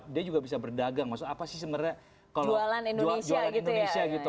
dia juga bisa berdagang maksudnya apa sih sebenarnya kalau jualan indonesia gitu